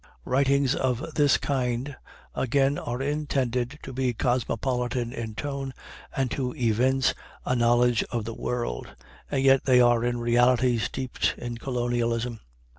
Writings of this kind, again, are intended to be cosmopolitan in tone, and to evince a knowledge of the world, and yet they are in reality steeped in colonialism.